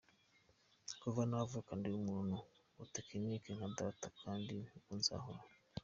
"Kuva navuka ndi umuntu w'amatekinike nka data, kandi ni ko nzahora.